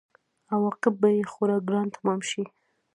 عواقب به یې خورا ګران تمام شي.